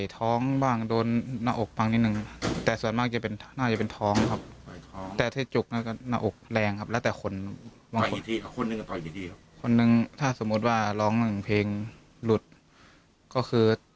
ต่อหนึ่งเพลงหรือต่อหนึ่งประโยค